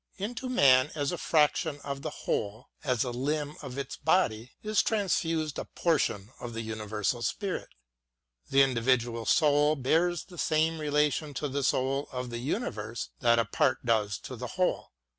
Into man as a fraction of the whole, as a limb of this body^ is transfused a portion of the universal spirit. The individual soul bears the same relation to the soul of the universe that a part does to the whole.